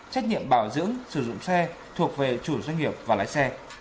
trách nhiệm bảo dưỡng sử dụng xe thuộc về chủ doanh nghiệp và lái xe